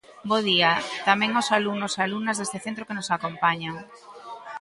Bo día tamén aos alumnos e alumnas dese centro que nos acompañan.